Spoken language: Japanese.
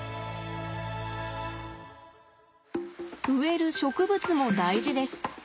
植える植物も大事です。